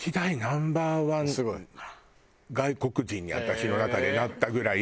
ナンバーワン外国人に私の中でなったぐらい。